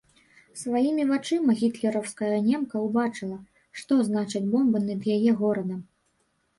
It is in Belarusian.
Сваімі вачыма гітлераўская немка ўбачыла, што значаць бомбы над яе горадам.